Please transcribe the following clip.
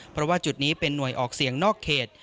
เพราะว่าจุดนี้เป็นหน่วยออกเสียงนอกเขต